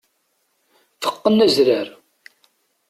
Teqqen azrar.